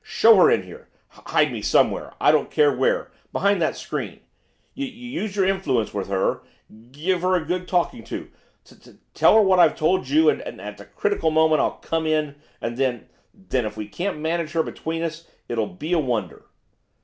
show her in here! H hide me somewhere, I don't care where, behind that screen! Y you use your influence with her; g give her a good talking to; t tell her what I've told you; and at at the critical moment I'll come in, and then then if we can't manage her between us, it'll be a wonder.